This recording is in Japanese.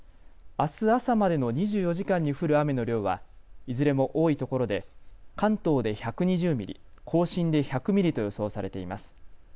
あす朝までの２４時間に降る雨の量はいずれも多いところで関東で１２０ミリ、甲信で１００ミリと予想されています。